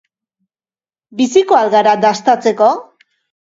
Biziko al gara dastatzeko?